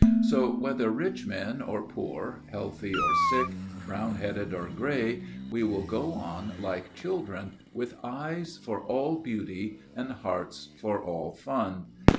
So, whether rich men or poor, healthy or sick, brown headed or gray, we will go on like children, with eyes for all beauty and hearts for all fun.